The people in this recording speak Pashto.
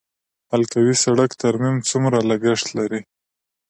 د حلقوي سړک ترمیم څومره لګښت لري؟